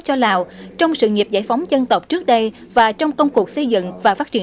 cho lào trong sự nghiệp giải phóng dân tộc trước đây và trong công cuộc xây dựng và phát triển